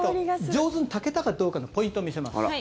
上手に炊けたかどうかのポイントを見せます。